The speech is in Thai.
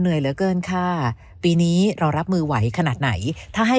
เหลือเกินค่ะปีนี้เรารับมือไหวขนาดไหนถ้าให้